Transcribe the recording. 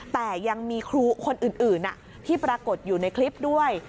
แต่ยังมีครูคนอื่นที่ปรากฏอยู่ในคลิปด้วย